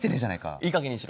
いいかげんにしろ。